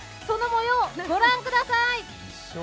そのもようを御覧ください。